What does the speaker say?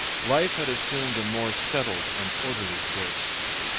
Life had assumed a more settled and orderly course.